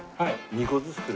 ２個ずつ。